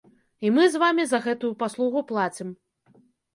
І мы з вамі за гэтую паслугу плацім.